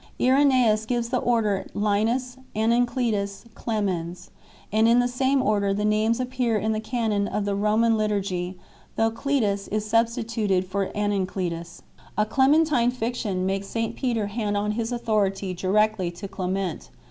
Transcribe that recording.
Irenseus 4 gives the order Linus, Anencletus, Clemens, and in the same order the names appear in the Canon of the Roman liturgy, though " Cletus" is substi tuted for "Anencletus." A Clementine fiction 5 makes St Peter hand on his authority directly to Clement.